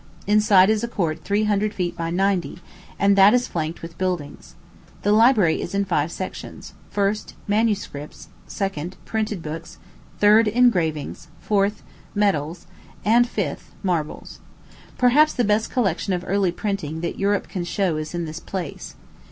Inside is a court three hundred feet by ninety, and that is flanked with buildings. The library is in five sections: first, manuscripts; second, printed books; third, engravings; fourth; medals, &c. fifth, marbles. Perhaps the best collection of early printing that Europe can show is in this place.